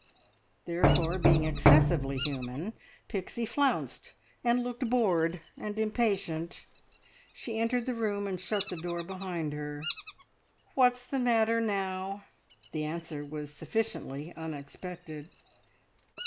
Therefore, being excessively human, Pixie flounced, and looked bored and impatient. She entered the room and shut the door behind her. "What's the matter now?" The answer was sufficiently unexpected.